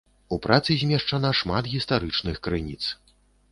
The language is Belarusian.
У працы змешчана шмат гістарычных крыніц.